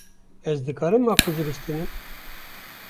Ez dikarim makbûzê bistînim?